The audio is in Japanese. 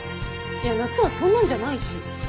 いやなっつんはそんなんじゃないし。